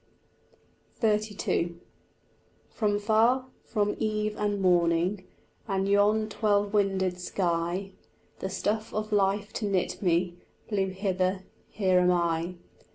XXXII From far, from eve and morning And yon twelve winded sky, The stuff of life to knit me Blew hither: here am I.